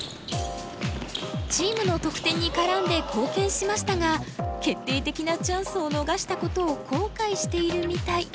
チームの得点に絡んで貢献しましたが決定的なチャンスを逃したことを後悔しているみたい。